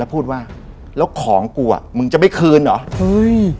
พูดว่าแล้วของกูอ่ะมึงจะไม่คืนเหรอเฮ้ย